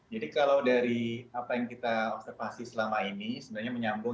jadi kalau dari apa yang kita observasi selama ini sebenarnya menyambung